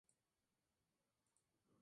Su etapa en Sarmiento, fue por un año.